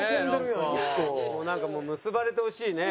なんかもう結ばれてほしいね。